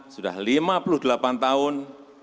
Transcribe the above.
sudah lima puluh delapan tahun